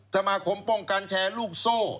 สมาคมป้องกันแชร์ลูกโซ่